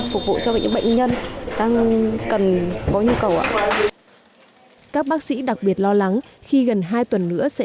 phục vụ cho những bệnh nhân đang cần có nhu cầu ạ các bác sĩ đặc biệt lo lắng khi gần hai tuần nữa sẽ